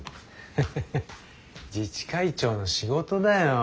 ヘヘヘ自治会長の仕事だよ。